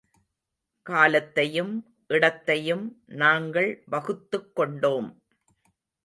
காலத்தையும் இடத்தையும் நாங்கள் வகுத்துக் கொண்டோம்.